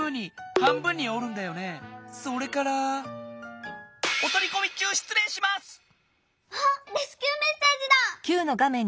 はっレスキューメッセージだ！